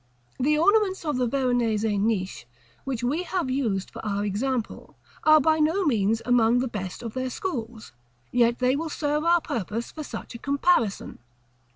The ornaments of the Veronese niche, which we have used for our example, are by no means among the best of their school, yet they will serve our purpose for such a comparison.